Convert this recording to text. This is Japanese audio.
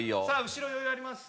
後ろ余裕あります。